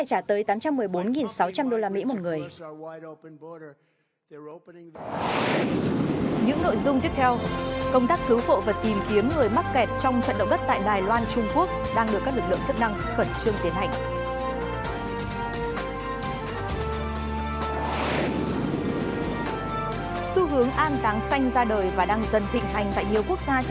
sẽ phải trả tới tám trăm một mươi bốn sáu trăm linh đô la mỹ một người